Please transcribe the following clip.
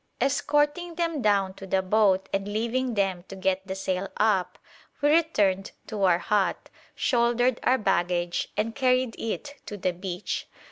Escorting them down to the boat and leaving them to get the sail up, we returned to our hut, shouldered our baggage, and carried it to the beach.